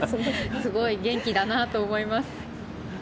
すごい、元気だなと思います。